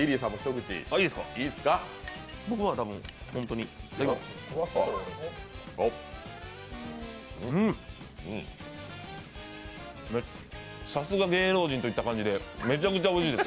うん、さすが芸能人といった感じでめちゃめちゃおいしいです。